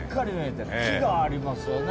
木がありますよね。